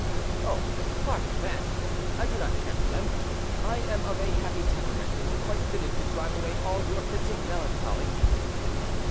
"Oh! far from that, I do not care for them; I am of a happy temperament, and quite fitted to drive away all your fits of melancholy."